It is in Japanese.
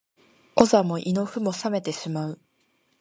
お座も胃の腑も冷めてしまう